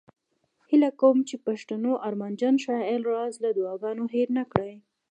هیله کوم چې د پښتنو ارمانجن شاعر راز له دعاګانو هیر نه کړي